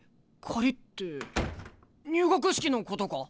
借りって入学式のことか？